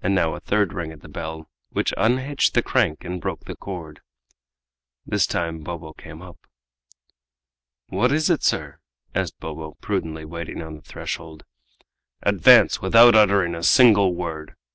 And now a third ring at the bell, which unhitched the crank and broke the cord. This time Bobo came up. "What is it, sir?" asked Bobo, prudently waiting on the threshold. "Advance, without uttering a single word!"